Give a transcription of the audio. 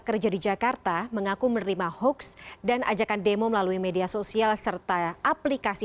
kerja di jakarta mengaku menerima hoaks dan ajakan demo melalui media sosial serta aplikasi